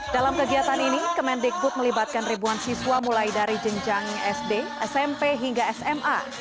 dalam kegiatan ini kemendikbud melibatkan ribuan siswa mulai dari jenjang sd smp hingga sma